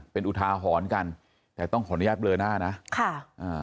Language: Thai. เป็นอุทาหรณ์กันแต่ต้องขออนุญาตเบลอหน้านะค่ะอ่า